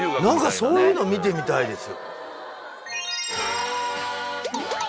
何かそういうの見てみたいです。